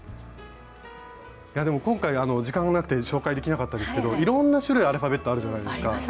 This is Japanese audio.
今回時間がなくて紹介できなかったですけどいろんな種類アルファベットあるじゃないですか。